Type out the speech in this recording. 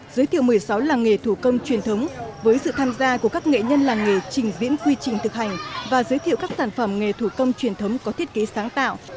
giới thiệu một mươi sáu làng nghề thủ công truyền thống với sự tham gia của các nghệ nhân làng nghề trình diễn quy trình thực hành và giới thiệu các sản phẩm nghề thủ công truyền thống có thiết kế sáng tạo